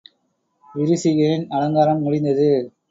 விரிசிகையின் அலங்காரம் முடிந்தது.